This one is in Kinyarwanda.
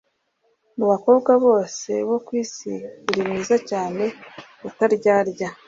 mu bakobwa bose bo ku isi, uri mwiza cyane, utaryarya